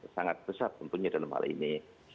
sangat besar tentunya dalam hal ini